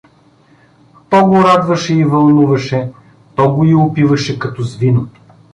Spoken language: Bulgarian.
То го радваше и вълнуваше, то го и опиваше като с вино.